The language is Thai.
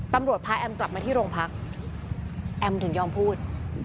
พาแอมกลับมาที่โรงพักแอมถึงยอมพูด